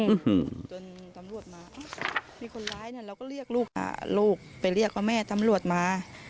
อืมจนตำรวจมามีคนร้ายเนี้ยเราก็เรียกลูกค่ะลูกไปเรียกว่าแม่ตำรวจมา